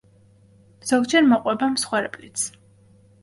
ზოგჯერ მოყვება მსხვერპლიც.